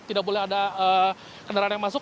tidak boleh ada kendaraan yang masuk